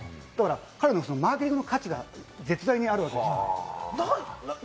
彼のマーケティングの価値が絶大にあるわけです。